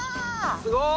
すごい！